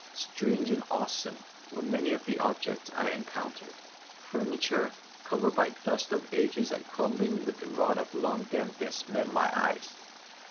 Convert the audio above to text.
Strange and awsome were many of the objects I encountered. Furniture, covered by the dust of ages and crumbling with the rot of long dampness met my eyes.